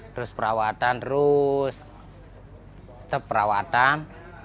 terus perawatan terus tetap perawatan